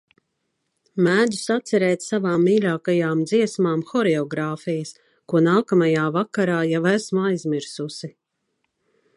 Mēdzu sacerēt savām mīļākajām dziesmām horeogrāfijas, ko nākamajā vakarā jau esmu aizmirsusi.